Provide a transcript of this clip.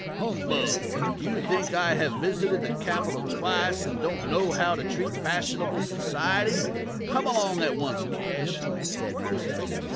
"Humbug! Do you think I have visited the 'Capitol' twice, and don't know how to treat fashionable society? Come along at once, Cash," said Mercer.